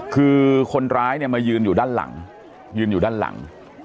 คือคนร้ายเนี่ยมายืนอยู่ด้านหลังยืนอยู่ด้านหลัง